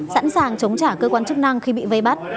sẵn sàng chống trả cơ quan chức năng khi bị vây bắt